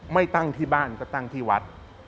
ไม่ตั้งที่บ้านก็ตั้งที่วัด